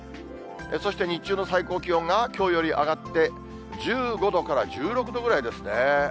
そして、日中の最高気温がきょうより上がって、１５度から１６度ぐらいですね。